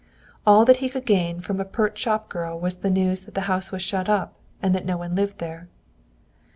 All that he could gain from a pert shop girl was the news that the house was shut up, and that no one lived there.